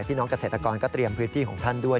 พี่น้องเกษตรกรก็เตรียมพื้นที่ของท่านด้วย